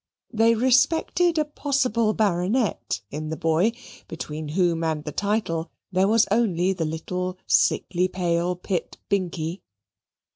They respected a possible baronet in the boy, between whom and the title there was only the little sickly pale Pitt Binkie.